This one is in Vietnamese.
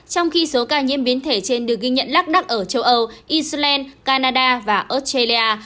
trong khi số ca nhiễm biến thể trên được ghi nhận lắc đắc ở châu âu israel canada và australia